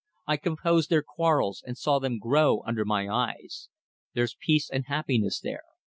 I composed their quarrels, and saw them grow under my eyes. There's peace and happiness there.